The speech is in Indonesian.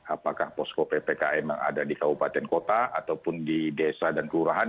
apakah posko ppkm yang ada di kabupaten kota ataupun di desa dan kelurahan